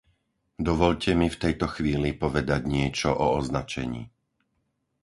Dovoľte mi v tejto chvíli povedať niečo o označení.